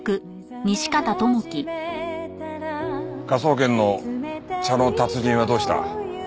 科捜研の茶の達人はどうした？